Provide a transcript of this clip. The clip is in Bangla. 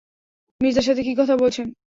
মির্জার সাথে কি কথা বলছেন?